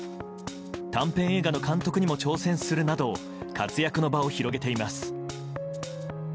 短編映画の監督にも挑戦するなど活躍の場を広げています。